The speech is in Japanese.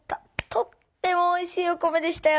とってもおいしいお米でしたよ。